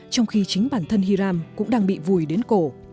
trong khi chính bản thân hiram cũng đang bị vùi đến cổ